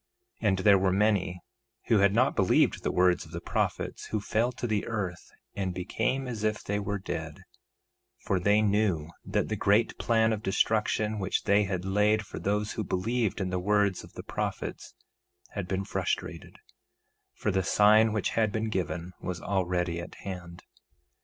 1:16 And there were many, who had not believed the words of the prophets, who fell to the earth and became as if they were dead, for they knew that the great plan of destruction which they had laid for those who believed in the words of the prophets had been frustrated; for the sign which had been given was already at hand.